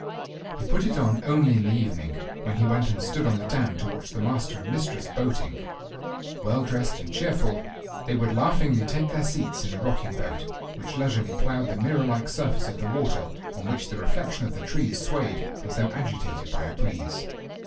He put it on only in the evening, when he went and stood on the dam to watch the Master and Mistress boating. Well dressed and cheerful they would laughingly take their seats in the rocking boat, which leisurely ploughed the mirror like surface of the water on which the reflection of the trees swayed as though agitated by a breeze.